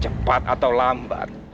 cepat atau lambat